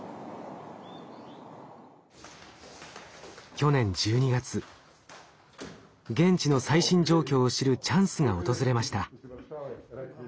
去年１２月現地の最新状況を知るチャンスが訪れました。